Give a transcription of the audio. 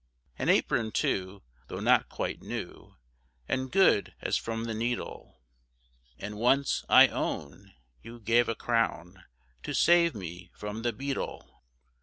An apron too, Tho' not quite new, And good as from the needle; And once, I own, You gave a crown, To save me from the beadle.